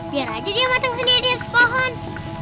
biar aja dia matang sendiri di atas pohon